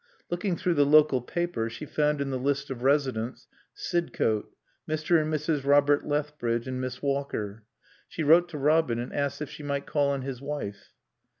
Looking through the local paper she found in the list of residents: Sidcote Mr. and Mrs. Robert Lethbridge and Miss Walker. She wrote to Robin and asked if she might call on his wife.